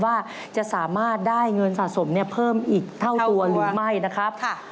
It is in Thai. ว่าจะสามารถได้เงินสะสมเพิ่มอีกเท่าตัวหรือไม่นะครับ